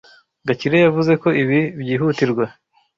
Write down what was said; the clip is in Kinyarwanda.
Gakire yavuze ko ibi byihutirwa.